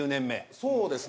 そうですね。